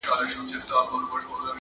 ورته ښکاري ځان له نورو چي ښاغلی,